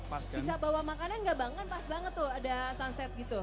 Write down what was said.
bisa bawa makanan gak bang kan pas banget tuh ada sunset gitu